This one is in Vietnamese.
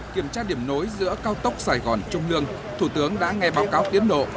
kiểm tra điểm nối giữa cao tốc sài gòn trung lương thủ tướng đã nghe báo cáo tiến độ